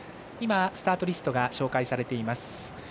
今、スタートリストが紹介されています。